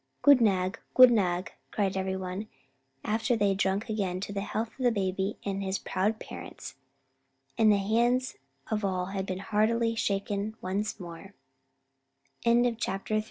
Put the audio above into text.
"Gud nag, gud nag," cried every one, after they had drunk again to the health of the baby and his proud parents, and the hands of all had been heartily shaken